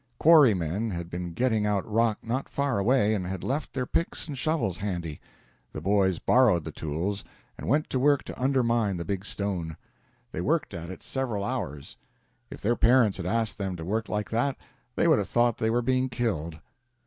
Quarrymen had been getting out rock not far away and had left their picks and shovels handy. The boys borrowed the tools and went to work to undermine the big stone. They worked at it several hours. If their parents had asked them to work like that, they would have thought they were being killed.